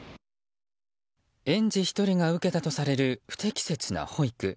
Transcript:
園児１人が受けたとされる不適切な保育。